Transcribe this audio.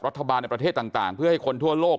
ในประเทศต่างเพื่อให้คนทั่วโลก